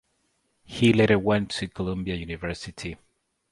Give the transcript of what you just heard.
He later went to Columbia University.